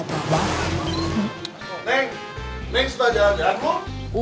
neng sudah jalan jalanmu